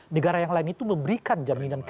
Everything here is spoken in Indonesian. negara yang lain ini tidak ada negara yang lainnya